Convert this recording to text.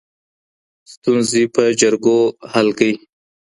ستونزې په جرګو حل کړئ.